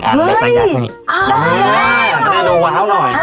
นอนกว่าเท่านึง